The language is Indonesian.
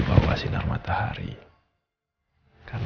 apa yang kita harus lakukan